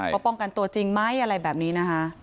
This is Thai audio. ป้องกันตัวจริงไหมอะไรแบบนี้นะคะ